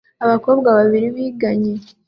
Abakobwa babiri biganye